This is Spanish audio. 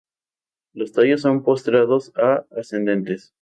Los tallos son postrados a ascendentes.